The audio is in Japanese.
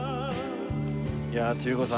いやあ千里子さん